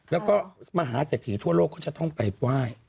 แล้วก็มหาเศรษฐีทั่วโลกก็จะต้องไปไหว้